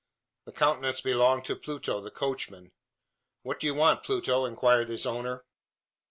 The countenance belonged to Pluto, the coachman. "What do you want, Pluto?" inquired his owner.